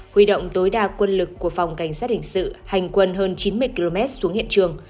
huy động tối đa quân lực của phòng cảnh sát hình sự hành quân hơn chín mươi km xuống hiện trường